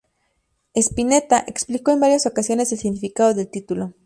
Spinetta explicó en varias ocasiones el significado del título.